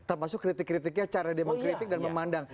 termasuk kritik kritiknya cara dia mengkritik dan memandang